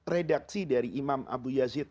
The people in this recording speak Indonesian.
redaksi dari imam abu yazid